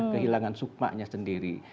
kehilangan sukmanya sendiri